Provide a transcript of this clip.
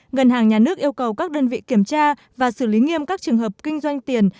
ngân hàng nhà nước yêu cầu các đơn vị kiểm tra và xử lý nghiêm các trường hợp kinh doanh tiền